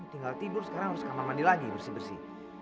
tinggal tidur sekarang harus kamar mandi lagi bersih bersih